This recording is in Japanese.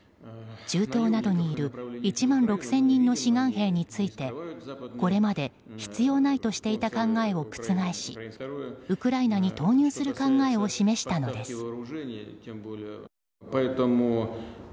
中東などにいる１万６０００人の志願兵についてこれまで必要ないとしていた考えを覆しウクライナに投入する考えを示したのです。